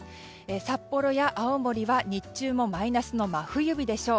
札幌や青森は、日中もマイナスの真冬日でしょう。